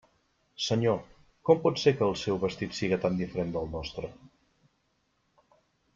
Senyor, com pot ser que el seu vestit siga tan diferent del nostre?